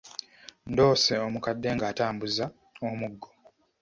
Ndoose omukadde nga atambuza omuggo.